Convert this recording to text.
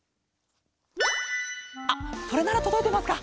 あっそれならとどいてますか？